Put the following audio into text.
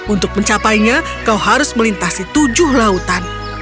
untuk mencapainya kau harus melintasi tujuh lautan